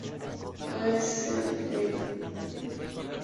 A.s, Ed.